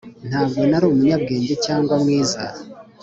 ntabwo nari umunyabwenge cyangwa mwiza,